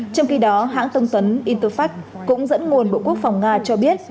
trong khi đó hãng tông tấn interfax cũng dẫn nguồn bộ quốc phòng nga cho biết